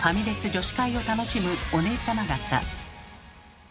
女子会を楽しむおねえさま方。